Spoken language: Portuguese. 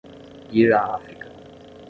ir a África